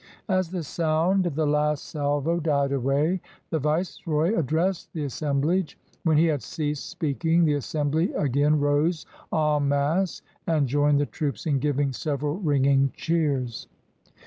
As the sound of the last salvo died away, the Viceroy addressed the assemblage. When he had ceased speaking, the assembly again rose en masse and joined the troops in giving several ringing cheers.